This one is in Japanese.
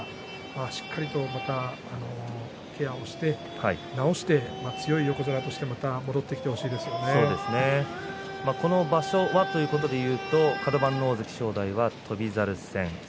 しっかりとまたケアをして治して、強い横綱としてこの場所はということでいうとカド番の大関正代は翔猿戦。